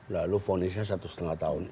lalu vonisnya satu lima tahun